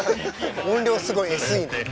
音量すごいＳＥの。